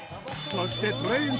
そしてトレエン